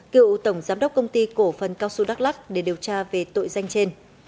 cựu tổng giám đốc công ty cổ phần cao xu đắk lắc để điều tra về tội danh trên